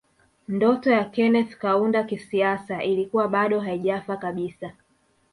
Ndoto ya Kenneth Kaunda kisiasa ilikuwa bado haijafa kabisa